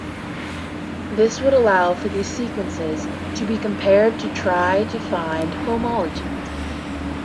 This would allow for these sequences to be compared to try to find homologies.